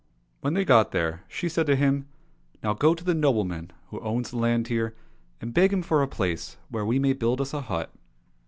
When they got there, she said to him, '* Now go to the nobleman who owns the land here, and beg him for a place where we may build us a hut."